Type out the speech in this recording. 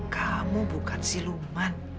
kamu bukan si luman